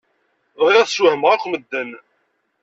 Bɣiɣ ad sswehmeɣ akk medden.